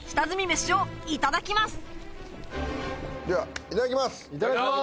ではいただきます！